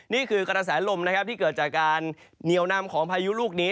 นี่คือกระแสลมนะครับที่เกิดจากการเหนียวนำของพายุลูกนี้